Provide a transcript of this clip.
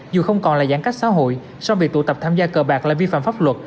dù không còn là giãn cách xã hội song việc tụ tập tham gia cờ bạc là vi phạm pháp luật